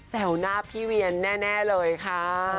วหน้าพี่เวียนแน่เลยค่ะ